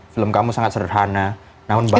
film kamu sangat sederhana namun bahasa yang sangat puitis